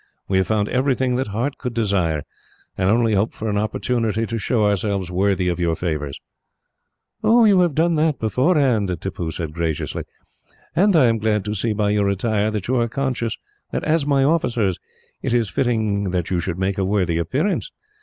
"We have found everything that heart could desire, and only hope for an opportunity to show ourselves worthy of your favours." "You have done that beforehand," Tippoo said graciously, "and I am glad to see, by your attire, that you are conscious that, as my officers, it is fitting you should make a worthy appearance.